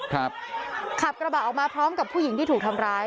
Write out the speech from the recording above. ขับกระบะออกมาพร้อมกับผู้หญิงที่ถูกทำร้าย